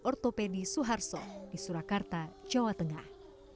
ortopedi suharto di surakarta jawa tengah